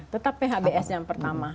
tetap phbs yang pertama